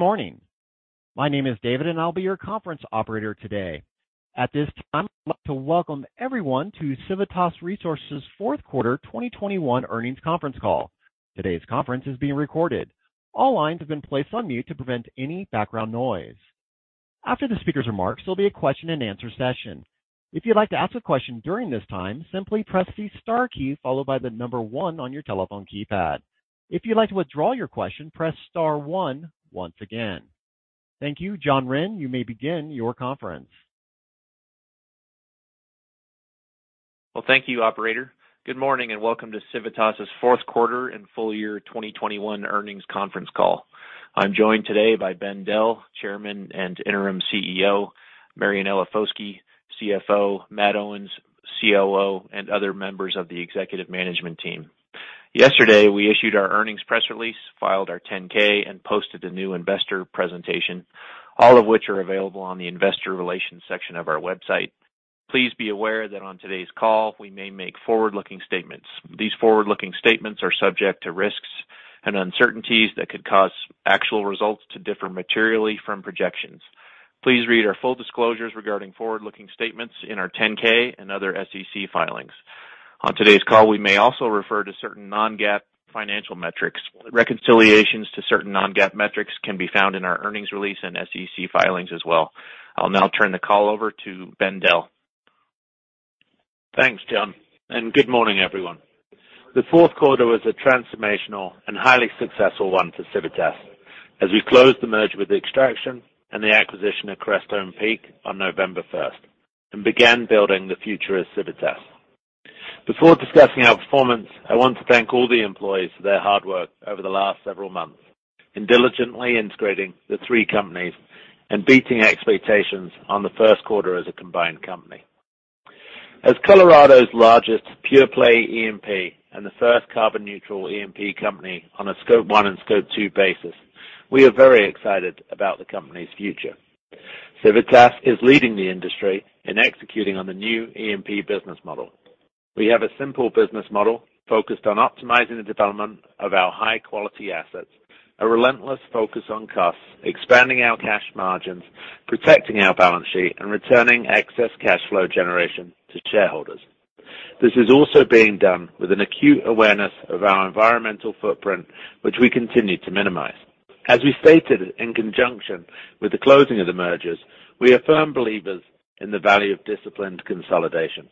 Good morning. My name is David, and I'll be your conference operator today. At this time, I'd like to welcome everyone to Civitas Resources Q4 2021 earnings conference call. Today's conference is being recorded. All lines have been placed on mute to prevent any background noise. After the speaker's remarks, there'll be a question-and-answer session. If you'd like to ask a question during this time, simply press the star key followed by the number one on your telephone keypad. If you'd like to withdraw your question, press star one once again. Thank you. John Wren, you may begin your conference. Well, thank you, operator. Good morning and welcome to Civitas Q4 and full year 2021 earnings conference call. I'm joined today by Ben Dell, Chairman and Interim CEO, Marianella Foschi, CFO, Matt Owens, COO, and other members of the executive management team. Yesterday, we issued our earnings press release, filed our 10-K, and posted a new investor presentation, all of which are available on the investor relations section of our website. Please be aware that on today's call we may make forward-looking statements. These forward-looking statements are subject to risks and uncertainties that could cause actual results to differ materially from projections. Please read our full disclosures regarding forward-looking statements in our 10-K and other SEC filings. On today's call, we may also refer to certain non-GAAP financial metrics. Reconciliations to certain non-GAAP metrics can be found in our earnings release and SEC filings as well. I'll now turn the call over to Ben Dell. Thanks, John, and good morning, everyone. The Q4 was a transformational and highly successful one for Civitas as we closed the merger with Extraction and the acquisition of Crestone Peak on November first and began building the future of Civitas. Before discussing our performance, I want to thank all the employees for their hard work over the last several months in diligently integrating the three companies and beating expectations on the Q1 as a combined company. As Colorado's largest pure-play E&P and the first carbon neutral E&P company on a Scope 1 and Scope 2 basis, we are very excited about the company's future. Civitas is leading the industry in executing on the new E&P business model. We have a simple business model focused on optimizing the development of our high-quality assets, a relentless focus on costs, expanding our cash margins, protecting our balance sheet, and returning excess cash flow generation to shareholders. This is also being done with an acute awareness of our environmental footprint, which we continue to minimize. As we stated in conjunction with the closing of the mergers, we are firm believers in the value of disciplined consolidation.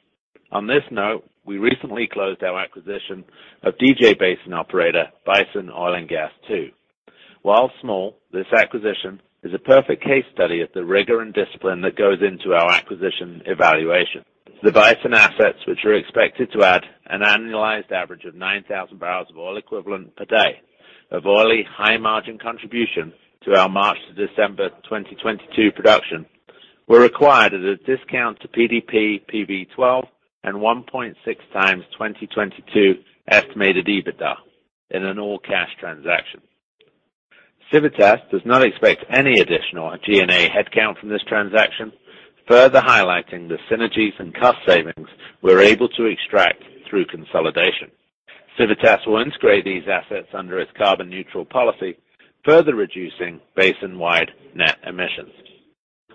On this note, we recently closed our acquisition of DJ Basin operator Bison Oil & Gas II. While small, this acquisition is a perfect case study of the rigor and discipline that goes into our acquisition evaluation. The Bison assets, which are expected to add an annualized average of 9,000 barrels of oil equivalent per day of oily high margin contribution to our March to December 2022 production, were acquired at a discount to PDP PV-10 and 1.6 times 2022 estimated EBITDA in an all-cash transaction. Civitas does not expect any additional G&A headcount from this transaction, further highlighting the synergies and cost savings we're able to extract through consolidation. Civitas will integrate these assets under its carbon neutral policy, further reducing basin-wide net emissions.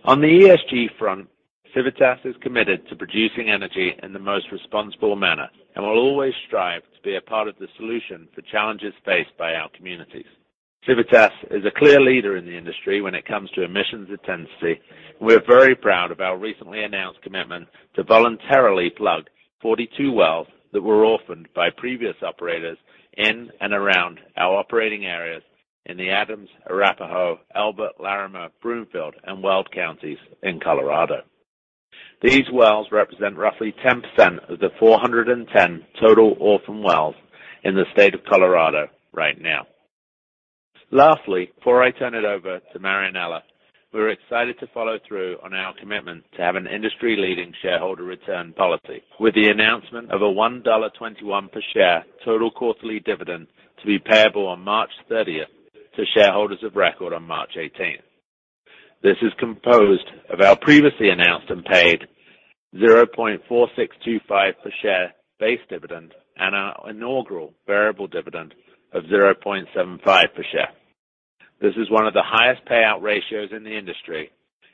On the ESG front, Civitas is committed to producing energy in the most responsible manner and will always strive to be a part of the solution for challenges faced by our communities. Civitas is a clear leader in the industry when it comes to emissions intensity, and we're very proud of our recently announced commitment to voluntarily plug 42 wells that were orphaned by previous operators in and around our operating areas in the Adams, Arapahoe, Elbert, Larimer, Broomfield, and Weld counties in Colorado. These wells represent roughly 10% of the 410 total orphan wells in the state of Colorado right now. Lastly, before I turn it over to Marianella, we're excited to follow through on our commitment to have an industry-leading shareholder return policy with the announcement of a $1.21 per share total quarterly dividend to be payable on March thirtieth to shareholders of record on March eighteenth. This is composed of our previously announced and paid $0.4625 per share base dividend and our inaugural variable dividend of $0.75 per share. This is one of the highest payout ratios in the industry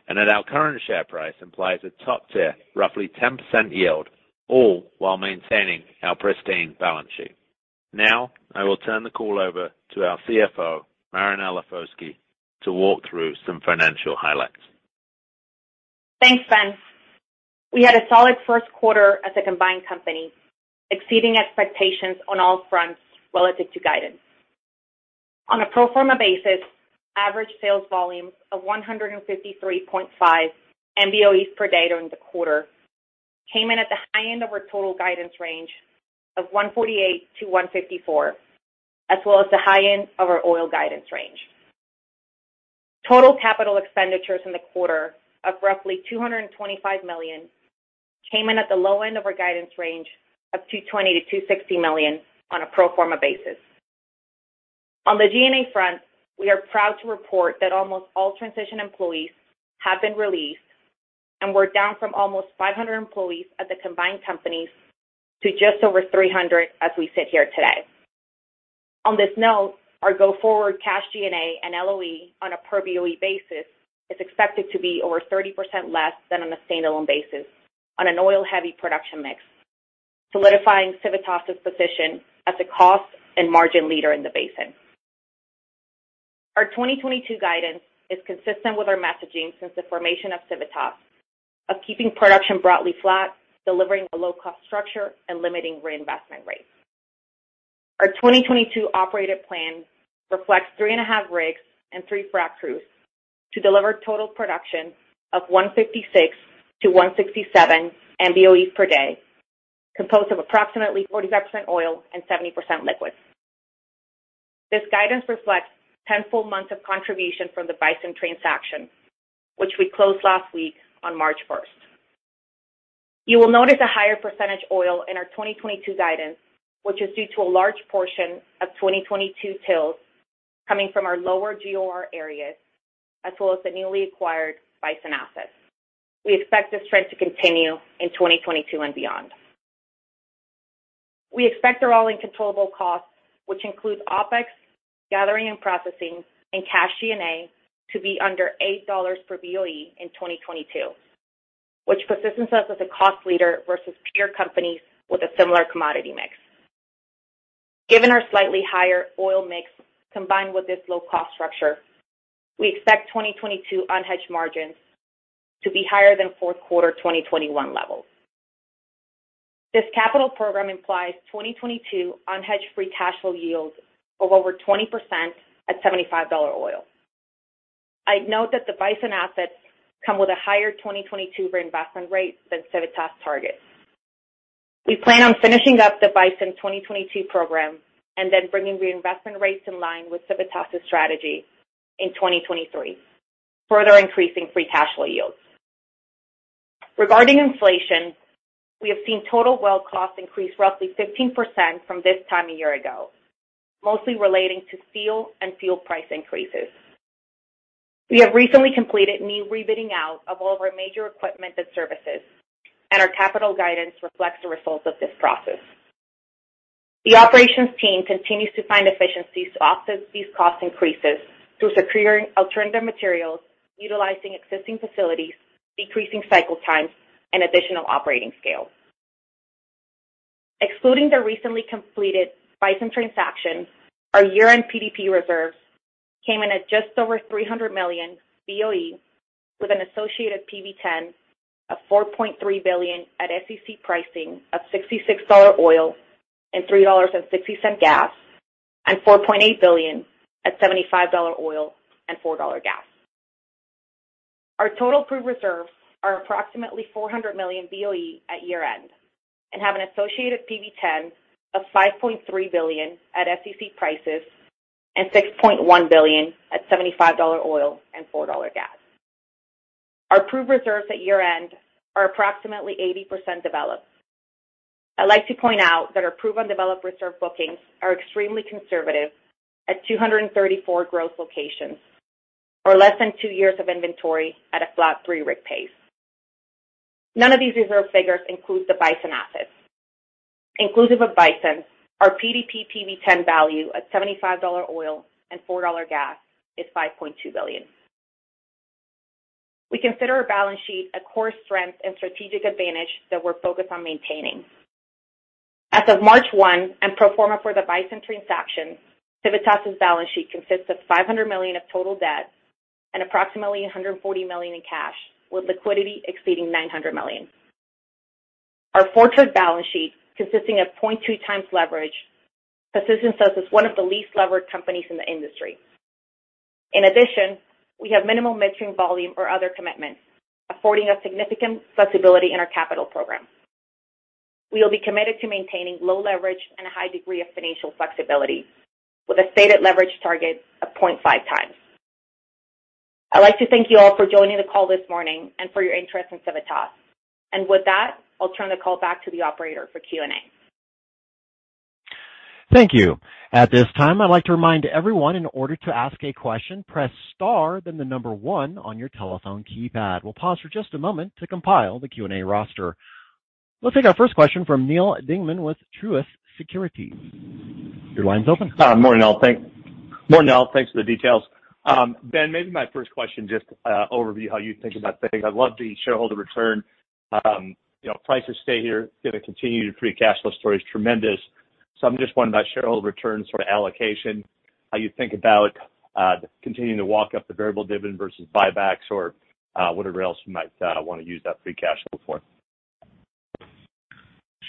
and at our current share price implies a top-tier roughly 10% yield, all while maintaining our pristine balance sheet. Now, I will turn the call over to our CFO, Marianella Foschi, to walk through some financial highlights. Thanks, Ben. We had a solid Q1 as a combined company, exceeding expectations on all fronts relative to guidance. On a pro forma basis, average sales volume of 153.5 MBoe per day during the quarter came in at the high end of our total guidance range of 148-154, as well as the high end of our oil guidance range. Total capital expenditures in the quarter of roughly $225 million came in at the low end of our guidance range of $220-$260 million on a pro forma basis. On the G&A front, we are proud to report that almost all transition employees have been released We're down from almost 500 employees at the combined companies to just over 300 as we sit here today. On this note, our go-forward cash G&A and LOE on a per Boe basis is expected to be over 30% less than on a standalone basis on an oil-heavy production mix, solidifying Civitas' position as the cost and margin leader in the basin. Our 2022 guidance is consistent with our messaging since the formation of Civitas of keeping production broadly flat, delivering a low-cost structure, and limiting reinvestment rates. Our 2022 operated plan reflects 3.5 rigs and three frac crews to deliver total production of 156-167 Mboe per day, composed of approximately 45% oil and 70% liquid. This guidance reflects 10 full months of contribution from the Bison transaction, which we closed last week on March first. You will notice a higher percentage oil in our 2022 guidance, which is due to a large portion of 2022 production coming from our lower GOR areas, as well as the newly acquired Bison assets. We expect this trend to continue in 2022 and beyond. We expect our all-in controllable costs, which include OpEx, gathering and processing, and cash G&A to be under $8 per Boe in 2022, which positions us as a cost leader versus peer companies with a similar commodity mix. Given our slightly higher oil mix combined with this low-cost structure, we expect 2022 unhedged margins to be higher than Q4 2021 levels. This capital program implies 2022 unhedged free cash flow yields of over 20% at $75 oil. I'd note that the Bison assets come with a higher 2022 reinvestment rate than Civitas targets. We plan on finishing up the Bison 2022 program and then bringing reinvestment rates in line with Civitas' strategy in 2023, further increasing free cash flow yields. Regarding inflation, we have seen total well costs increase roughly 15% from this time a year ago, mostly relating to steel and fuel price increases. We have recently completed new rebidding out of all of our major equipment and services, and our capital guidance reflects the results of this process. The operations team continues to find efficiencies to offset these cost increases through securing alternative materials, utilizing existing facilities, decreasing cycle times, and additional operating scales. Excluding the recently completed Bison transaction, our year-end PDP reserves came in at just over 300 million Boe with an associated PV-10 of $4.3 billion at SEC pricing of $66 oil and $3.60 gas, and $4.8 billion at $75 oil and $4 gas. Our total proved reserves are approximately 400 million Boe at year-end and have an associated PV-10 of $5.3 billion at SEC prices and $6.1 billion at $75 oil and $4 gas. Our proved reserves at year-end are approximately 80% developed. I'd like to point out that our proved undeveloped reserve bookings are extremely conservative at 234 growth locations, or less than two years of inventory at a flat three rig pace. None of these reserve figures include the Bison assets. Inclusive of Bison, our PDP PV-10 value at $75 oil and $4 gas is $5.2 billion. We consider our balance sheet a core strength and strategic advantage that we're focused on maintaining. As of March 1st and pro forma for the Bison transaction, Civitas' balance sheet consists of $500 million of total debt and approximately $140 million in cash, with liquidity exceeding $900 million. Our fortress balance sheet, consisting of 0.2x leverage, positions us as one of the least levered companies in the industry. In addition, we have minimal midstream volume or other commitments, affording us significant flexibility in our capital program. We will be committed to maintaining low leverage and a high degree of financial flexibility with a stated leverage target of 0.5x. I'd like to thank you all for joining the call this morning and for your interest in Civitas. With that, I'll turn the call back to the operator for Q&A. Thank you. At this time, I'd like to remind everyone in order to ask a question, press star then the number one on your telephone keypad. We'll pause for just a moment to compile the Q&A roster. We'll take our first question from Neal Dingmann with Truist Securities. Your line's open. Morning, all. Thanks for the details. Ben, maybe my first question, just overview how you think about things. I love the shareholder return. You know, prices stay here, going to continue to free cash flow. Story is tremendous. I'm just wondering about shareholder return sort of allocation, how you think about continuing to walk up the variable dividend versus buybacks or whatever else you might want to use that free cash flow for.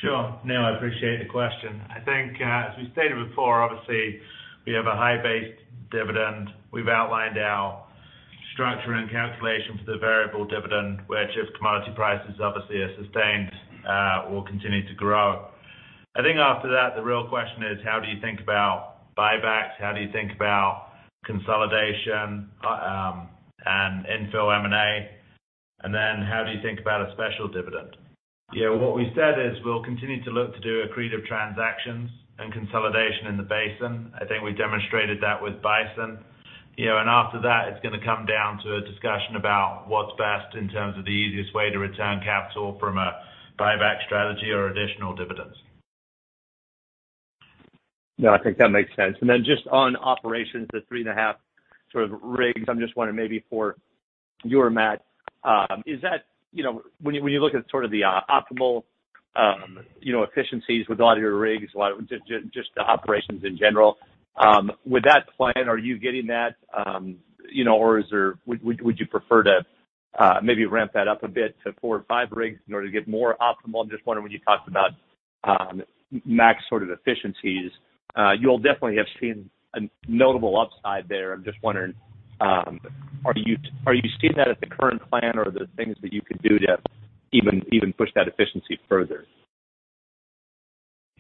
Sure. Neal, I appreciate the question. I think, as we've stated before, obviously, we have a high base dividend. We've outlined our structure and calculation for the variable dividend, where if commodity prices obviously are sustained, we'll continue to grow. I think after that, the real question is how do you think about buybacks, how do you think about consolidation, and infill M&A, and then how do you think about a special dividend? You know, what we said is we'll continue to look to do accretive transactions and consolidation in the basin. I think we demonstrated that with Bison. You know, after that, it's going to come down to a discussion about what's best in terms of the easiest way to return capital from a buyback strategy or additional dividends. No, I think that makes sense. Just on operations, the 3.5 sort of rigs, I'm just wondering maybe for you or Matt, is that, you know, when you look at sort of the optimal, you know, efficiencies with a lot of your rigs, a lot of just the operations in general, with that plan, are you getting that, you know, or is there would you prefer to maybe ramp that up a bit to four or five rigs in order to get more optimal? I'm just wondering, when you talked about, max sort of efficiencies, you'll definitely have seen a notable upside there. I'm just wondering, are you seeing that at the current plan or are there things that you could do to even push that efficiency further?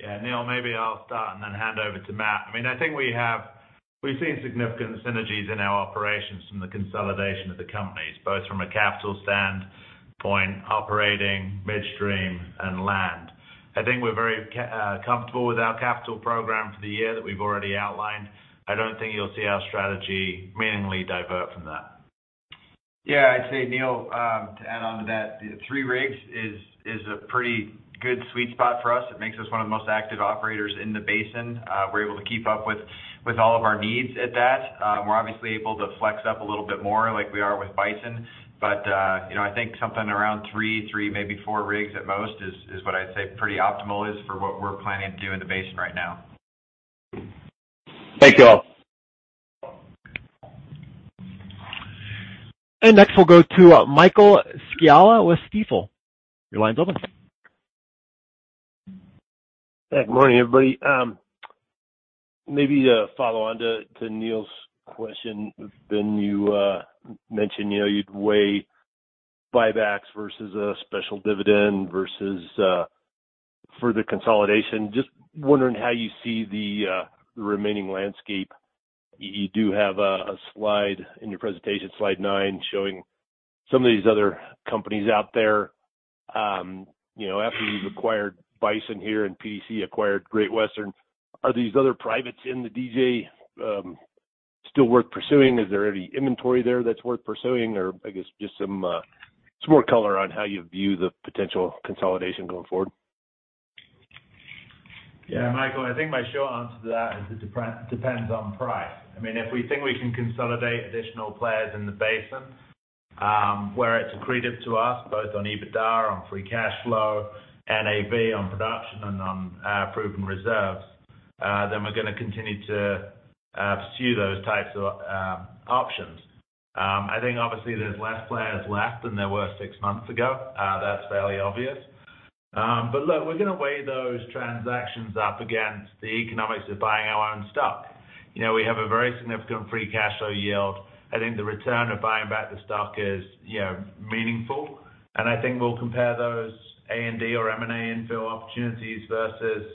Yeah, Neal, maybe I'll start and then hand over to Matt. I mean, I think we've seen significant synergies in our operations from the consolidation of the companies, both from a capital standpoint, operating, midstream, and land. I think we're very comfortable with our capital program for the year that we've already outlined. I don't think you'll see our strategy meaningfully divert from that. Yeah, I'd say, Neal, to add onto that, 3 rigs is a pretty good sweet spot for us. It makes us one of the most active operators in the basin. We're able to keep up with all of our needs at that. We're obviously able to flex up a little bit more like we are with Bison. You know, I think something around 3, maybe 4 rigs at most is what I'd say pretty optimal is for what we're planning to do in the basin right now. Thank you all. Next, we'll go to Michael Scialla with Stifel. Your line's open. Good morning, everybody. Maybe to follow on to Neal's question. Ben, you mentioned, you know, you'd weigh buybacks versus a special dividend versus further consolidation. Just wondering how you see the remaining landscape. You do have a slide in your presentation, slide 9, showing some of these other companies out there. You know, after you've acquired Bison here and PDC acquired Great Western, are these other privates in the DJ still worth pursuing? Is there any inventory there that's worth pursuing? Or I guess just some more color on how you view the potential consolidation going forward. Yeah, Michael, I think my short answer to that is it depends on price. I mean, if we think we can consolidate additional players in the basin, where it's accretive to us, both on EBITDA, on free cash flow, NAV on production and on proven reserves, then we're going to continue to pursue those types of options. I think obviously there's less players left than there were six months ago. That's fairly obvious. But look, we're going to weigh those transactions up against the economics of buying our own stock. You know, we have a very significant free cash flow yield. I think the return of buying back the stock is, you know, meaningful, and I think we'll compare those A&D or M&A infill opportunities versus,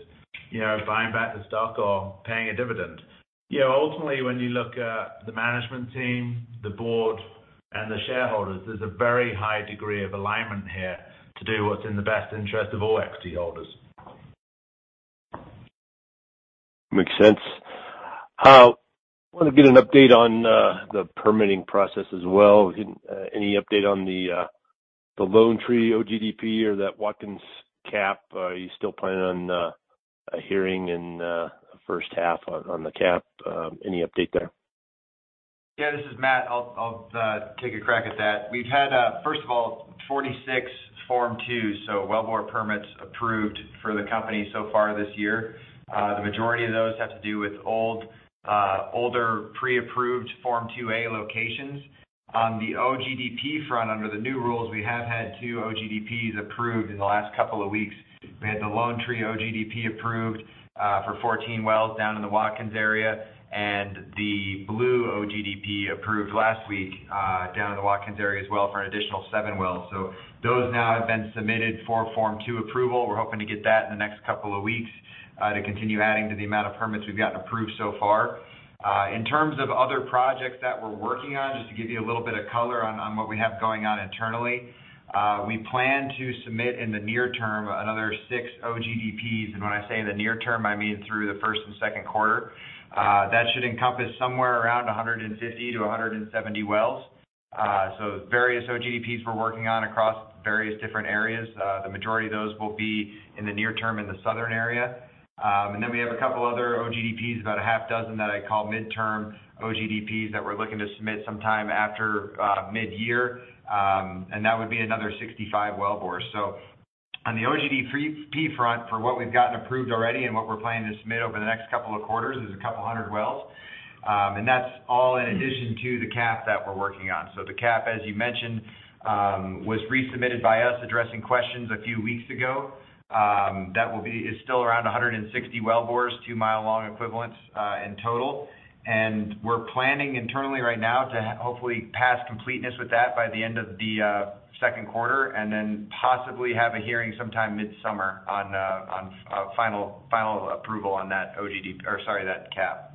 you know, buying back the stock or paying a dividend. You know, ultimately, when you look at the management team, the board, and the shareholders, there's a very high degree of alignment here to do what's in the best interest of all equity holders. Makes sense. Want to get an update on the permitting process as well. Any update on the Lone Tree OGDP or that Watkins CAP? Are you still planning on a hearing in the H1 on the CAP? Any update there? This is Matt. I'll take a crack at that. We've had first of all 46 Form 2s wellbore permits approved for the company so far this year. The majority of those have to do with older pre-approved Form 2A locations. On the OGDP front under the new rules we have had 2 OGDPs approved in the last couple of weeks. We had the Lone Tree OGDP approved for 14 wells down in the Watkins area and the Blue OGDP approved last week down in the Watkins area as well for an additional 7 wells. So those now have been submitted for Form 2 approval. We're hoping to get that in the next couple of weeks to continue adding to the amount of permits we've gotten approved so far. In terms of other projects that we're working on, just to give you a little bit of color on what we have going on internally, we plan to submit in the near term another 6 OGDPs. When I say the near term, I mean through the first and Q2. That should encompass somewhere around 150-170 wells. Various OGDPs we're working on across various different areas. The majority of those will be in the near term in the southern area. Then we have a couple other OGDPs, about 6, that I call midterm OGDPs that we're looking to submit sometime after mid-year. That would be another 65 well bores. On the OGDP front, for what we've gotten approved already and what we're planning to submit over the next couple of quarters is a couple hundred wells. That's all in addition to the CAP that we're working on. The CAP, as you mentioned, was resubmitted by us addressing questions a few weeks ago. It's still around 160 well bores, two-mile-long equivalents, in total. We're planning internally right now to hopefully pass completeness with that by the end of the Q2, and then possibly have a hearing sometime mid-summer on final approval on that CAP.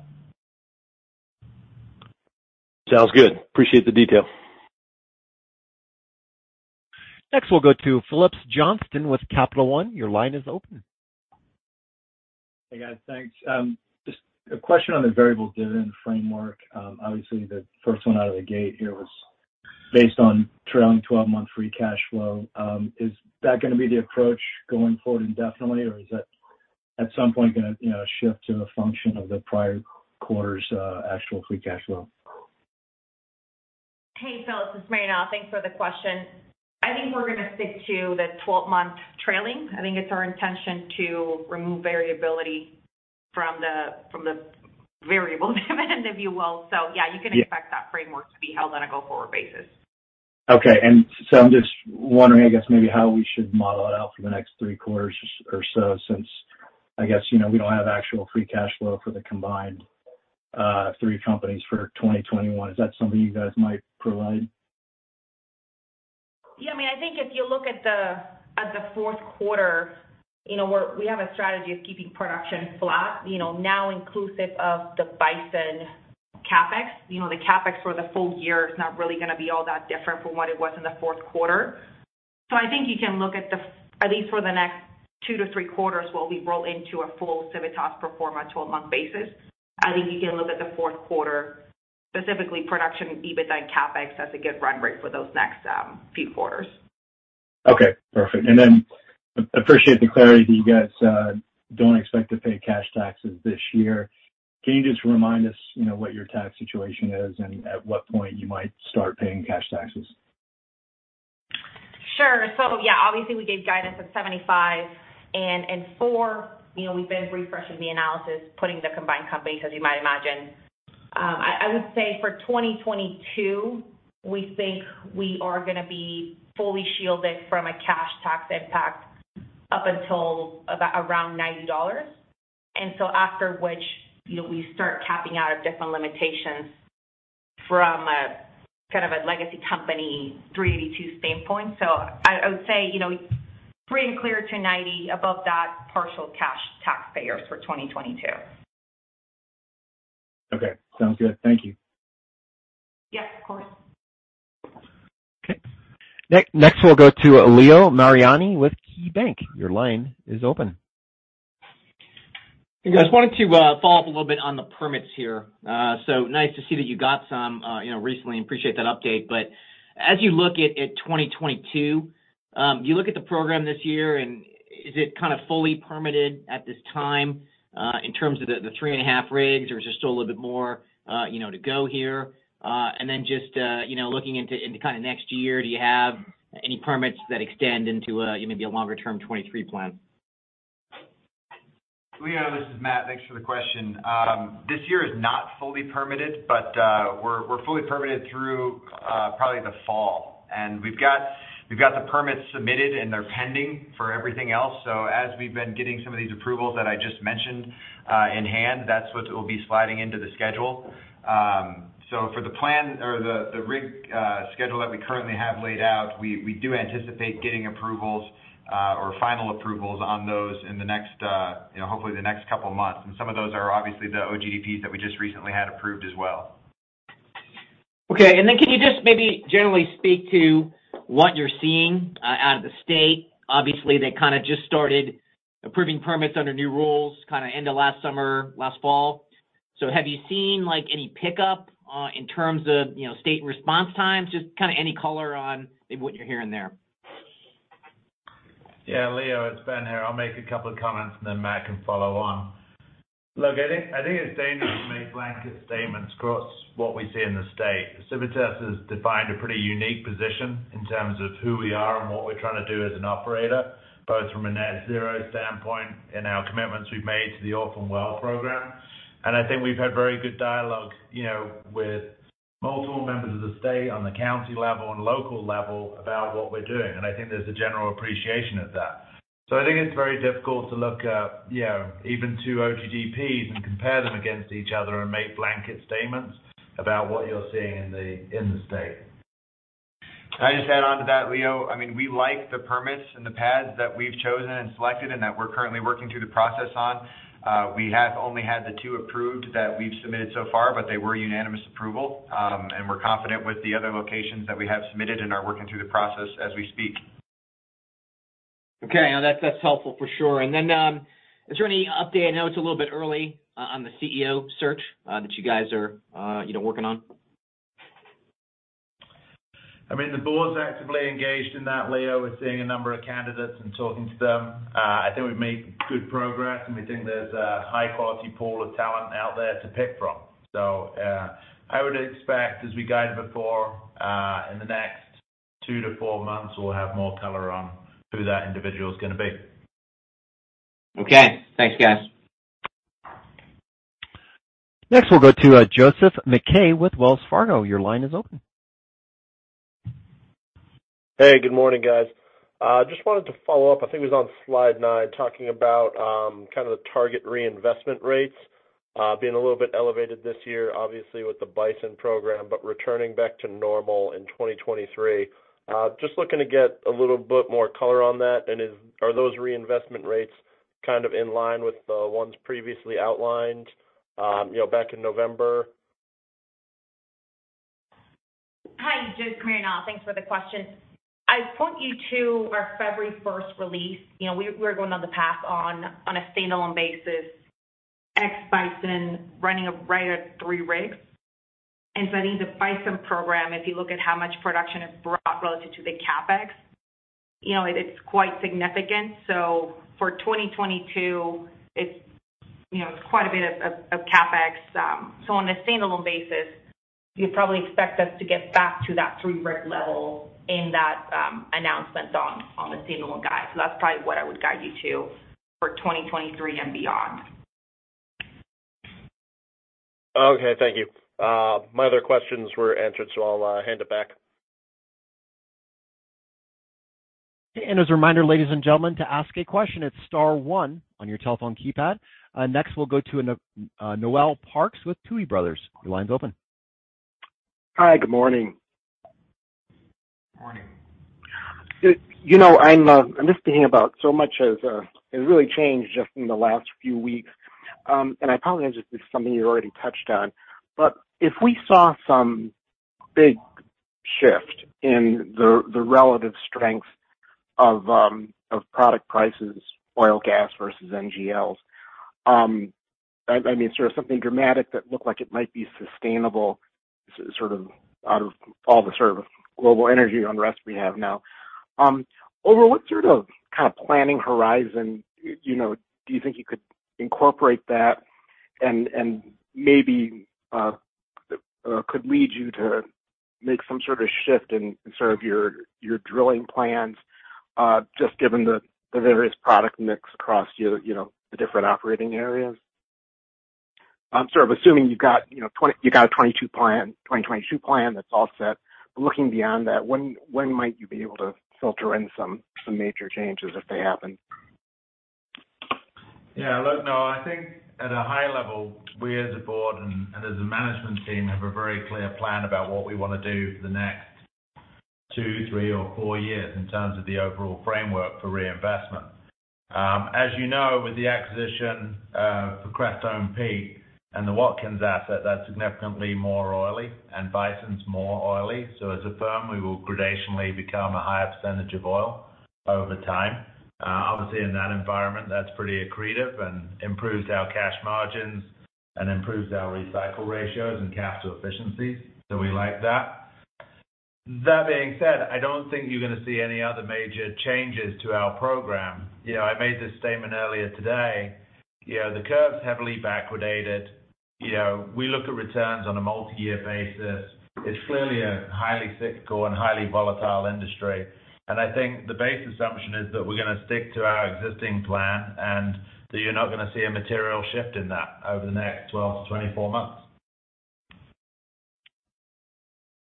Sounds good. Appreciate the detail. Next, we'll go to Phillips Johnston with Capital One. Your line is open. Hey, guys. Thanks. Just a question on the variable dividend framework. Obviously, the first one out of the gate here was based on trailing twelve-month free cash flow. Is that going to be the approach going forward indefinitely, or is that at some point going to, you know, shift to a function of the prior quarter's actual free cash flow? Hey, Phillips, this is Marianella. Thanks for the question. I think we're going to stick to the 12-month trailing. I think it's our intention to remove variability from the variable dividend, if you will. So yeah. Yeah. You can expect that framework to be held on a go-forward basis. I'm just wondering, I guess, maybe how we should model it out for the next three quarters or so since I guess, you know, we don't have actual free cash flow for the combined three companies for 2021. Is that something you guys might provide? Yeah. I mean, I think if you look at the Q4, you know, we have a strategy of keeping production flat, you know, now inclusive of the Bison CapEx. You know, the CapEx for the full year is not really going to be all that different from what it was in the Q4. I think you can look at least for the next two to three quarters while we roll into a full Civitas pro forma 12-month basis. I think you can look at the Q4, specifically production, EBITDA, and CapEx as a good run rate for those next few quarters. Okay. Perfect. Appreciate the clarity that you guys don't expect to pay cash taxes this year. Can you just remind us, you know, what your tax situation is and at what point you might start paying cash taxes? Sure. Yeah, obviously, we gave guidance of 75. In Q4, you know, we've been refreshing the analysis, putting the combined companies, as you might imagine. I would say for 2022, we think we are going to be fully shielded from a cash tax impact up until about around $90. After which, you know, we start capping out of different limitations from a kind of a legacy company, Section 382 standpoint. I would say, you know, free and clear to 90. Above that, partial cash taxpayers for 2022. Okay. Sounds good. Thank you. Yeah, of course. Okay. Next, we'll go to Leo Mariani with KeyBanc. Your line is open. Hey, guys. Wanted to follow up a little bit on the permits here. So nice to see that you got some you know recently, appreciate that update. As you look at 2022, you look at the program this year, and is it kind of fully permitted at this time in terms of the 3.5 rigs, or is there still a little bit more you know to go here? Just you know looking into kind of next year, do you have any permits that extend into maybe a longer-term 2023 plan? Leo, this is Matt. Thanks for the question. This year is not fully permitted, but we're fully permitted through probably the fall. We've got the permits submitted, and they're pending for everything else. As we've been getting some of these approvals that I just mentioned in hand, that's what will be sliding into the schedule. For the plan or the rig schedule that we currently have laid out, we do anticipate getting approvals or final approvals on those in the next you know, hopefully the next couple of months. Some of those are obviously the OGDPs that we just recently had approved as well. Okay. Can you just maybe generally speak to what you're seeing out of the state? Obviously, they kind of just started approving permits under new rules, kind of end of last summer, last fall. Have you seen, like, any pickup in terms of, you know, state response times? Just kind of any color on maybe what you're hearing there. Yeah, Leo, it's Ben here. I'll make a couple of comments, and then Matt can follow on. Look, I think it's dangerous to make blanket statements across what we see in the state. Civitas has defined a pretty unique position in terms of who we are and what we're trying to do as an operator, both from a net zero standpoint and our commitments we've made to the orphan well program. I think we've had very good dialogue, you know, with multiple members of the state on the county level and local level about what we're doing, and I think there's a general appreciation of that. I think it's very difficult to look at, you know, even two OGDPs and compare them against each other and make blanket statements about what you're seeing in the, in the state. Can I just add on to that, Leo? I mean, we like the permits and the pads that we've chosen and selected and that we're currently working through the process on. We have only had the two approved that we've submitted so far, but they were unanimous approval. We're confident with the other locations that we have submitted and are working through the process as we speak. Okay. No, that's helpful for sure. Then, is there any update, I know it's a little bit early, on the CEO search, that you guys are, you know, working on? I mean, the board's actively engaged in that, Leo. We're seeing a number of candidates and talking to them. I think we've made good progress, and we think there's a high-quality pool of talent out there to pick from. I would expect, as we guided before, in the next 2-4 months, we'll have more color on who that individual is going to be. Okay. Thanks, guys. Next, we'll go to Joe MacKay with Wells Fargo. Your line is open. Hey, good morning, guys. Just wanted to follow up, I think it was on slide 9, talking about kind of the target reinvestment rates being a little bit elevated this year, obviously, with the Bison program, but returning back to normal in 2023. Just looking to get a little bit more color on that. Are those reinvestment rates kind of in line with the ones previously outlined, you know, back in November? Hi, Joe. Thanks for the question. I point you to our February 1 release. You know, we're going on the path on a standalone basis, ex Bison running right at three rigs. I think the Bison program, if you look at how much production is brought relative to the CapEx, you know, it's quite significant. For 2022, you know, it's quite a bit of CapEx. On a standalone basis, you'd probably expect us to get back to that three-rig level in that announcement on the standalone guide. That's probably what I would guide you to for 2023 and beyond. Okay, thank you. My other questions were answered, so I'll hand it back. As a reminder, ladies and gentlemen, to ask a question, it's star one on your telephone keypad. Next, we'll go to Noel Parks with Tuohy Brothers. Your line's open. Hi, good morning. Morning. You know, I'm just thinking about so much has really changed just in the last few weeks. I probably. This is something you already touched on. If we saw some big shift in the relative strength of product prices, oil, gas, versus NGLs, I mean, sort of something dramatic that looked like it might be sustainable, sort of out of all the sort of global energy unrest we have now. Over what sort of kind of planning horizon, you know, do you think you could incorporate that and maybe could lead you to make some sort of shift in sort of your drilling plans, just given the various product mix across your, you know, the different operating areas? I'm sort of assuming you've got, you know, a 2022 plan that's all set. But looking beyond that, when might you be able to filter in some major changes if they happen? Yeah, look, no, I think at a high level, we as a board and as a management team have a very clear plan about what we want to do the next 2, 3, or 4 years in terms of the overall framework for reinvestment. As you know, with the acquisition for Crestone Peak and the Watkins asset, that's significantly more oily and Bison's more oily. So as a firm, we will gradually become a higher percentage of oil over time. Obviously, in that environment, that's pretty accretive and improves our cash margins and improves our recycle ratios and capital efficiencies. So we like that. That being said, I don't think you're going to see any other major changes to our program. You know, I made this statement earlier today. You know, the curve's heavily backwardated. You know, we look at returns on a multi-year basis. It's clearly a highly cyclical and highly volatile industry. I think the base assumption is that we're going to stick to our existing plan, and that you're not going to see a material shift in that over the next 12-24 months.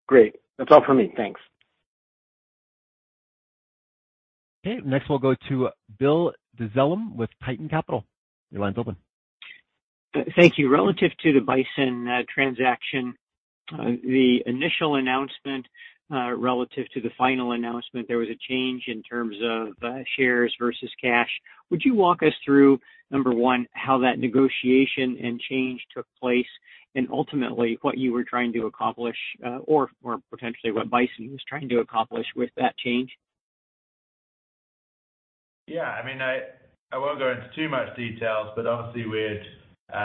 Great. That's all for me. Thanks. Okay. Next, we'll go to Will Dezellem with Tieton Capital Management. Your line's open. Thank you. Relative to the Bison transaction, the initial announcement, relative to the final announcement, there was a change in terms of, shares versus cash. Would you walk us through, number one, how that negotiation and change took place and ultimately what you were trying to accomplish, or potentially what Bison was trying to accomplish with that change? Yeah, I mean, I won't go into too many details, but obviously we had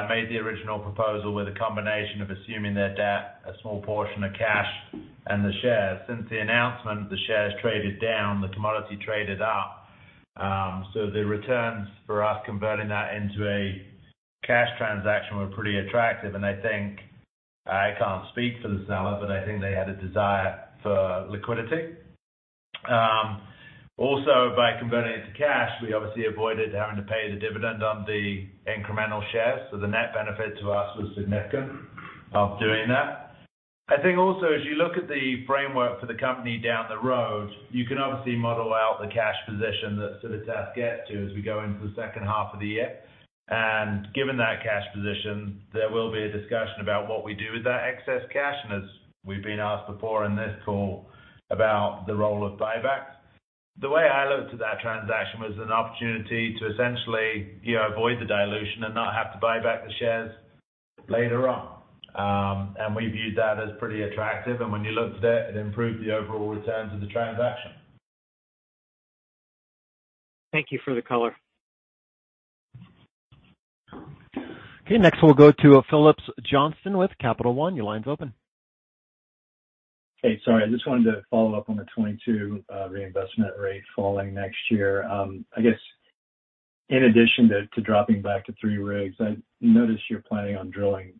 made the original proposal with a combination of assuming their debt, a small portion of cash, and the shares. Since the announcement, the shares traded down, the commodity traded up. The returns for us converting that into a cash transaction were pretty attractive. I think, I can't speak for the seller, but I think they had a desire for liquidity. Also, by converting it to cash, we obviously avoided having to pay the dividend on the incremental shares. The net benefit to us was significant of doing that. I think also, as you look at the framework for the company down the road, you can obviously model out the cash position that Civitas gets to as we go into the H2 of the year. Given that cash position, there will be a discussion about what we do with that excess cash. As we've been asked before in this call about the role of buybacks. The way I looked at that transaction was an opportunity to essentially, you know, avoid the dilution and not have to buy back the shares later on. We viewed that as pretty attractive. When you looked at it improved the overall returns of the transaction. Thank you for the color. Okay. Next, we'll go to Phillips Johnston with Capital One. Your line's open. Hey, sorry. I just wanted to follow up on the 22-reinvestment rate falling next year. I guess in addition to dropping back to three-rigs, I notice you're planning on drilling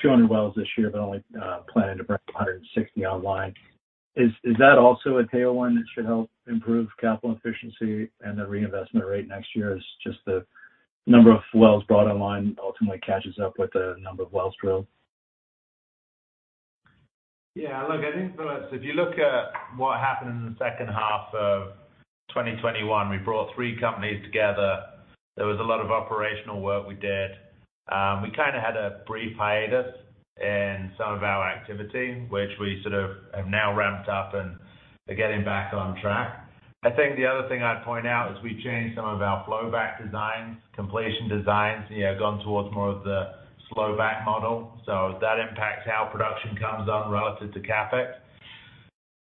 200 wells this year but only planning to bring 160 online. Is that also a tailwind that should help improve capital efficiency and the reinvestment rate next year as just the number of wells brought online ultimately catches up with the number of wells drilled? Yeah, look, I think, Phillips, if you look at what happened in the H2 of 2021, we brought three companies together. There was a lot of operational work we did. We kind of had a brief hiatus in some of our activity, which we sort of have now ramped up and are getting back on track. I think the other thing I'd point out is we changed some of our flow back designs, completion designs, you know, gone towards more of the slow back model. So that impacts how production comes on relative to CapEx.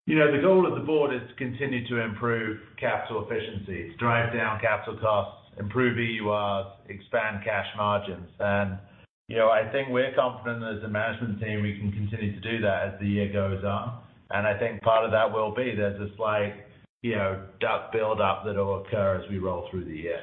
You know, the goal of the board is to continue to improve capital efficiency, to drive down capital costs, improve EURs, expand cash margins. You know, I think we're confident as a management team, we can continue to do that as the year goes on. I think part of that will be there's a slight, you know, DUC buildup that will occur as we roll through the year.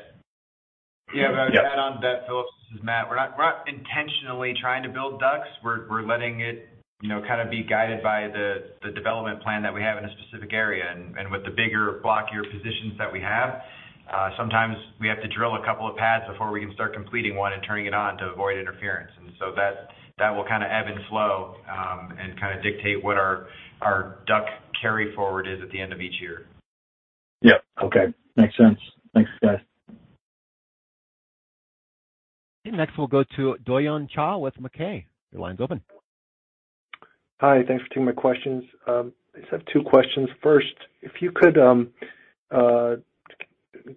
Yeah, to add on that, Phillips, this is Matt. We're not intentionally trying to build DUCs. We're letting it, you know, kind of be guided by the development plan that we have in a specific area. And with the bigger blockier positions that we have, sometimes we have to drill a couple of pads before we can start completing one and turning it on to avoid interference. And so that will kind of ebb and flow and kind of dictate what our DUC carry forward is at the end of each year. Yep. Okay. Makes sense. Thanks, guys. Next, we'll go to Doyon Cha with Macquarie. Your line's open. Hi, thanks for taking my questions. I just have two questions. First, if you could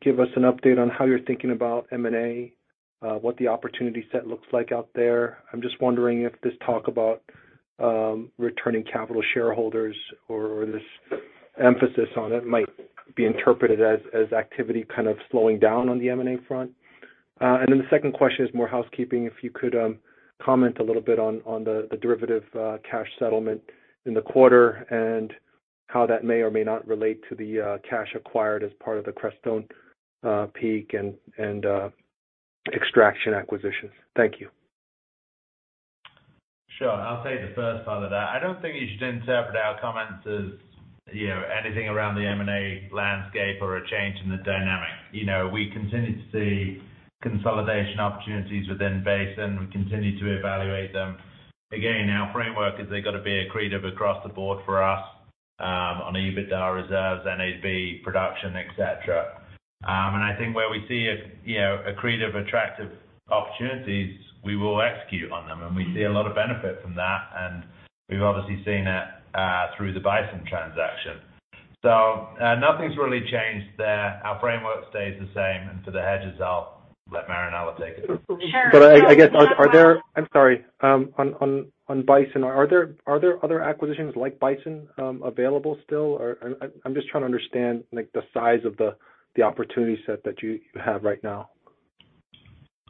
give us an update on how you're thinking about M&A, what the opportunity set looks like out there. I'm just wondering if this talk about returning capital shareholders or this emphasis on it might be interpreted as activity kind of slowing down on the M&A front. The second question is more housekeeping. If you could comment a little bit on the derivative cash settlement in the quarter and how that may or may not relate to the cash acquired as part of the Crestone Peak and Extraction acquisitions. Thank you. Sure. I'll take the first part of that. I don't think you should interpret our comments as, you know, anything around the M&A landscape or a change in the dynamic. You know, we continue to see consolidation opportunities within basin, we continue to evaluate them. Again, our framework is they've got to be accretive across the board for us, on EBITDA reserves, NAV production, etc. I think where we see, you know, accretive, attractive opportunities, we will execute on them, and we see a lot of benefit from that, and we've obviously seen it, through the Bison transaction. Nothing's really changed there. Our framework stays the same. For the hedges, I'll let Marinella take it. Sure. I guess on Bison, are there other acquisitions like Bison available still? Or I'm just trying to understand, like, the size of the opportunity set that you have right now.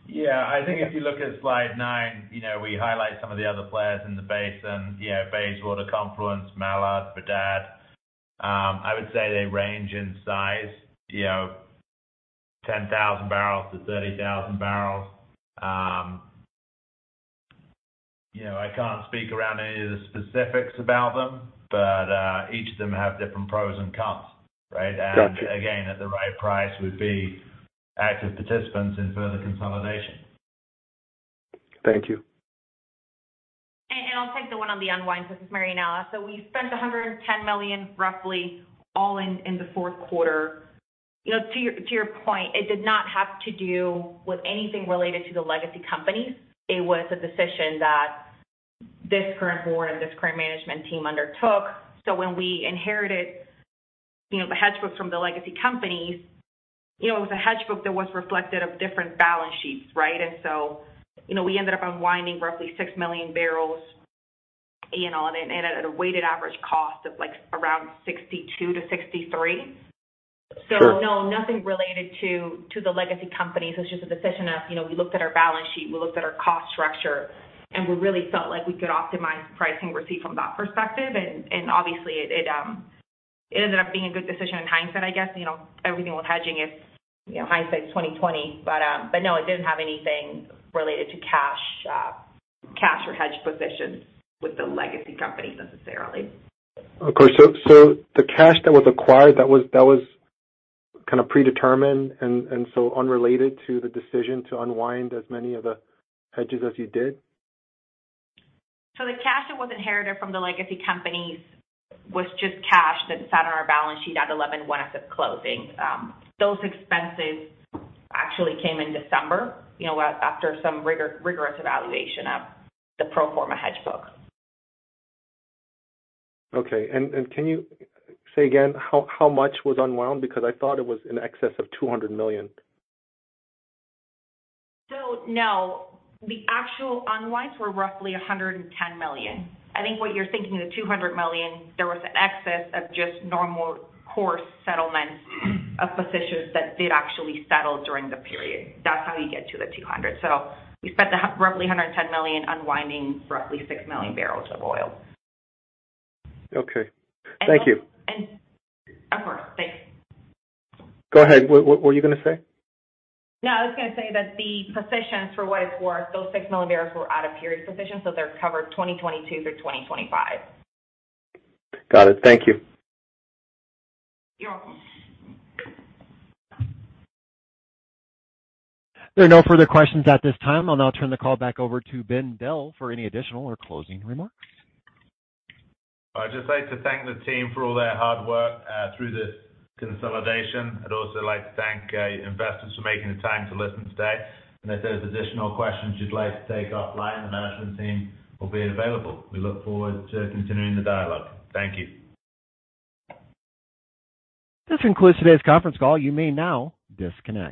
Yeah. I think if you look at slide nine, you know, we highlight some of the other players in the basin, you know, Bayswater, Confluence, Mallard, Verdad. I would say they range in size, you know, 10,000-30,000 barrels. You know, I can't speak around any of the specifics about them, but each of them have different pros and cons, right? Got you. Again, at the right price, we'd be active participants in further consolidation. Thank you. I'll take the one on the unwind. This is Marianella. We spent $110 million roughly all in the Q4. You know, to your point, it did not have to do with anything related to the legacy companies. It was a decision that this current board and this current management team undertook. When we inherited, you know, the hedge book from the legacy companies, you know, it was a hedge book that was reflective of different balance sheets, right? You know, we ended up unwinding roughly 6 million barrels, you know, and at a weighted average cost of, like, around $62-$63. Sure. No, nothing related to the legacy companies. It's just a decision of, you know, we looked at our balance sheet, we looked at our cost structure, and we really felt like we could optimize pricing received from that perspective. Obviously it ended up being a good decision in hindsight I guess, you know, everything with hedging is, you know, hindsight is 20/20. No, it didn't have anything related to cash or hedge positions with the legacy companies necessarily. Of course. The cash that was acquired, that was kind of predetermined and so unrelated to the decision to unwind as many of the hedges as you did? The cash that was inherited from the legacy companies was just cash that sat on our balance sheet at $111 as of closing. Those expenses actually came in December, you know, after some rigorous evaluation of the pro forma hedge book. Okay. Can you say again how much was unwound? Because I thought it was in excess of $200 million. No, the actual unwinds were roughly $110 million. I think what you're thinking, the $200 million, there was an excess of just normal course settlements of positions that did actually settle during the period. That's how you get to the $200 million. We spent the roughly $110 million unwinding roughly 6 million barrels of oil. Okay. Thank you. Of course. Thanks. Go ahead. What were you going to say? No, I was going to say that the positions for what it's worth, those 6 million barrels were out of period positions, so they're covered 2022 through 2025. Got it. Thank you. You're welcome. There are no further questions at this time. I'll now turn the call back over to Ben Dell for any additional or closing remarks. I'd just like to thank the team for all their hard work through this consolidation. I'd also like to thank you investors for making the time to listen today. If there's additional questions you'd like to take offline, the management team will be available. We look forward to continuing the dialogue. Thank you. This concludes today's conference call. You may now disconnect.